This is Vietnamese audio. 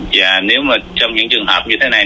và trong những trường hợp như thế này